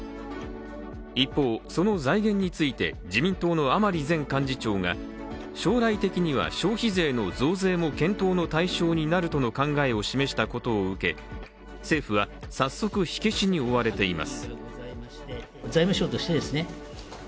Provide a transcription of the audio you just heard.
一方、その財源について、自民党の甘利前幹事長が、将来的には消費税の増税も検討の対象になるとの考えを示したことを受け政府は早速、火消しに追われています。